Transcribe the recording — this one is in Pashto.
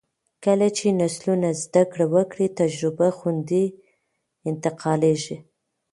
کله چې نسلونه زده کړه وکړي، تجربه خوندي انتقالېږي.